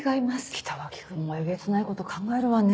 北脇君もえげつないこと考えるわね。